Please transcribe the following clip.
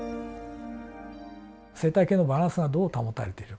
生態系のバランスがどう保たれているか。